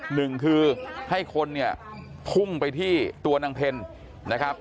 หนึ่งคือให้คนเนี่ยพุ่งไปที่ตัวนางเพลนะครับ